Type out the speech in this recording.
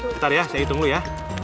sebentar ya saya hitung dulu ya